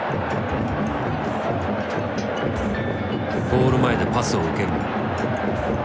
ゴール前でパスを受けるも。